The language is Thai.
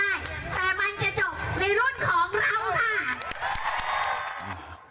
ใช่แต่มันจะจบในรุ่นของเราค่ะ